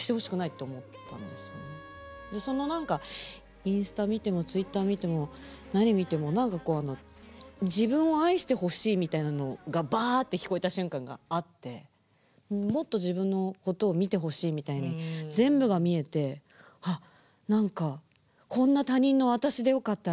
その何かインスタ見てもＴｗｉｔｔｅｒ見ても何見ても何かこう自分を愛してほしいみたいなのがバーッて聞こえた瞬間があってもっと自分のことを見てほしいみたいに全部が見えてあっ何かこんな他人の私でよかったら愛しますって思ったんです。